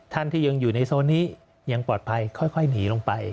ท่านที่ยังอยู่ในโซนนี้ยังปลอดภัยค่อยหนีลงไป